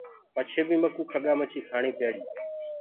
پچهي بي مڪوُ کڳآ مڇيٚ کآڻيٚ پيڙيٚ۔